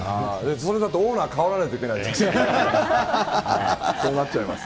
それだとオーナー変わらないといけないじゃないですか。